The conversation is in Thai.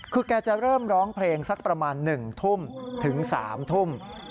คือแกจะเริ่มร้องเพลงสักประมาณ๑ทุ่มถึง๓ทุ่ม